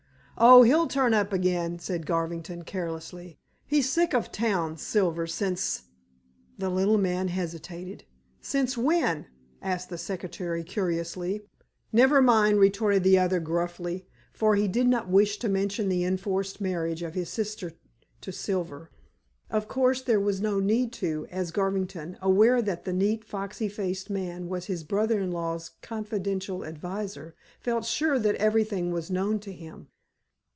"Oh, he'll turn up again," said Garvington carelessly. "He's sick of town, Silver, since " The little man hesitated. "Since when?" asked the secretary curiously. "Never mind," retorted the other gruffly, for he did not wish to mention the enforced marriage of his sister, to Silver. Of course, there was no need to, as Garvington, aware that the neat, foxy faced man was his brother in law's confidential adviser, felt sure that everything was known to him.